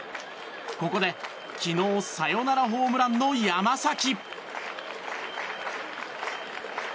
ここで昨日サヨナラホームランの山崎。